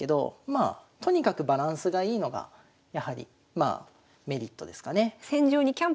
まあとにかくバランスがいいのがやはりまあメリットですかね。